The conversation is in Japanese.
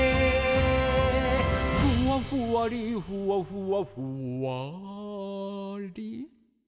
「ふわふわりふわふわふわり」